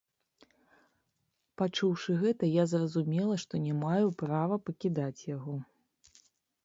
Пачуўшы гэта, я зразумела, што не маю права пакідаць яго.